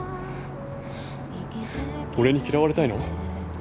俺に嫌われたいの？